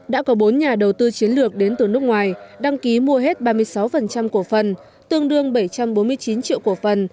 đã có bốn nhà đầu tư chiến lược đến từ nước ngoài đăng ký mua hết ba mươi sáu cổ phần tương đương bảy trăm bốn mươi chín triệu cổ phần